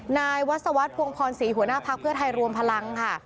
นายวัศวรรษภวงพรศรีหัวหน้าภักดิ์เพื่อไทยรวมพลังค่ะ